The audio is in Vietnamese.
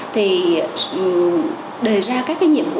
thì đề ra các cái nhiệm vụ